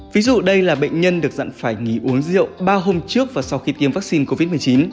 ví dụ đây là bệnh nhân được dặn phải nghỉ uống rượu ba hôm trước và sau khi tiêm vaccine covid một mươi chín